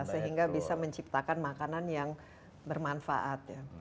sehingga bisa menciptakan makanan yang bermanfaat